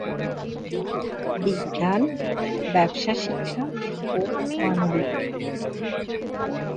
বিজ্ঞান, ব্যবসা শিক্ষা ও মানবিক।